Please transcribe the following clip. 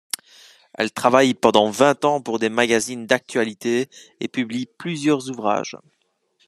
Elle travaille pendant vingt ans pour des magazines d'actualité et publie plusieurs ouvrages.